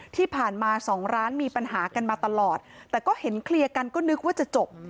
ที่ผ่านมาสองร้านมีปัญหากันมาตลอดแต่ก็เห็นเคลียร์กันก็นึกว่าจะจบ